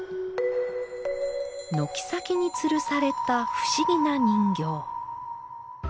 軒先につるされた不思議な人形。